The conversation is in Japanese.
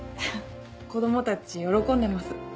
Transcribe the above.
子供たち喜んでます。